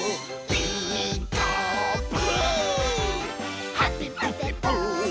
「ピーカーブ！」